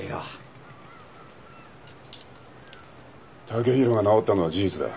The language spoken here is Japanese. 剛洋が治ったのは事実だ。